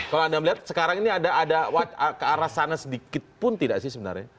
kalau anda melihat sekarang ini ada kearasannya sedikit pun tidak sih sebenarnya